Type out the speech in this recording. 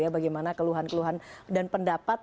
bagaimana keluhan keluhan dan pendapat